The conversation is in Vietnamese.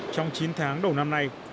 trong chín tháng đầu năm nay